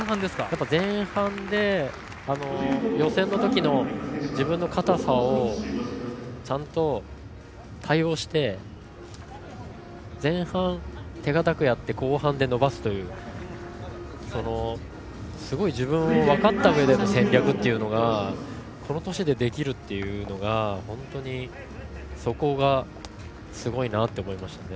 前半で予選のときの自分の硬さをちゃんと対応して前半を手堅くやって後半で伸ばすというすごい自分を分かったうえでの戦略というのがこの年でできるというのが本当に、そこがすごいなって思いました。